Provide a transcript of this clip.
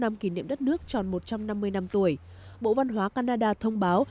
trong kỷ niệm đất nước tròn một trăm năm mươi năm tuổi bộ văn hóa canada thông báo